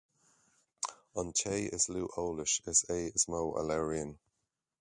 An té is lú eolais is é is mó a labhraíonn